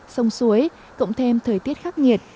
sông suối cộng thêm thời tiết khắc nghiệt